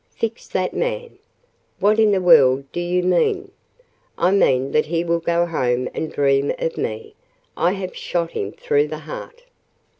"Fix that man." "What in the world do you mean?" "I mean that he will go home and dream of me. I have shot him through the heart!"